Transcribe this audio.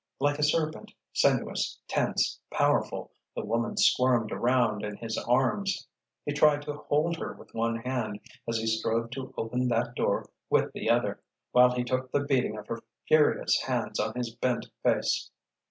Like a serpent, sinuous, tense, powerful, the woman squirmed around in his arms. He tried to hold her with one hand as he strove to open that door with the other, while he took the beating of her furious hands on his bent face.